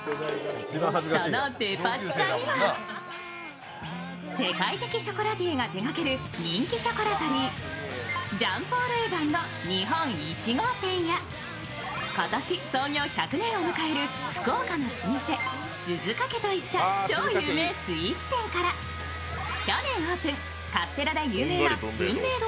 そのデパ地下には、世界的ショコラティエが手がける人気ショコラトリージャン＝ポール・エヴァンの日本１号店や今年創業１００年を迎える福岡の老舗鈴懸といった超有名スイーツ店から、去年オープン、カステラで有名な文明堂